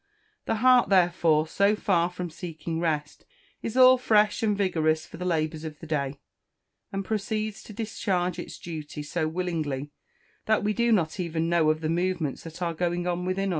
The heart, therefore, so far from seeking rest, is all fresh and vigorous for the labours of the day, and proceeds to discharge its duty so willingly, that we do not even know of the movements that are going on within us.